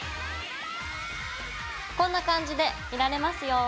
こんな感じで見られますよ。